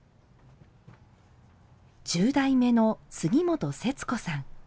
十代目の杉本節子さん。